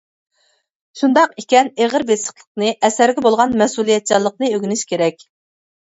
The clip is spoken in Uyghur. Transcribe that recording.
شۇنداق ئىكەن، ئېغىر-بېسىقلىقنى، ئەسەرگە بولغان مەسئۇلىيەتچانلىقنى ئۆگىنىش كېرەك.